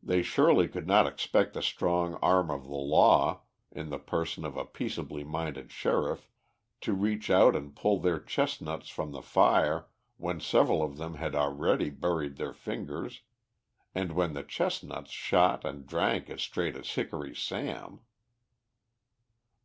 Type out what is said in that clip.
They surely could not expect the strong arm of the law, in the person of a peaceably minded Sheriff, to reach out and pull their chestnuts from the fire when several of them had already burned their fingers, and when the chestnuts shot and drank as straight as Hickory Sam.